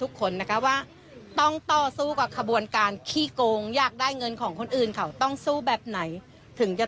คนนะคะว่าต้องต่อสู้กับขบวนการขี้โกงอยากได้เงินของคนอื่นเขาต้องสู้แบบไหนถึงจะ